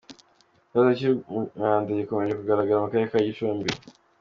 Ikibazo cy’umwanda gikomeje kugaragra mu Karere ka Gicumbi.